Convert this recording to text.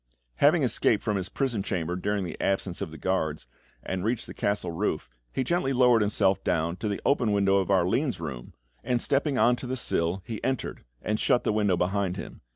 Having escaped from his prison chamber during the absence of the guards, and reached the castle roof, he gently lowered himself down to the open window of Arline's room, and stepping on to the sill, he entered, and shut the window behind him.